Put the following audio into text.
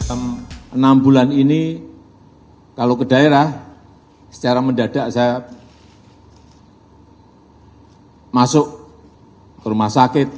dalam enam bulan ini kalau ke daerah secara mendadak saya masuk ke rumah sakit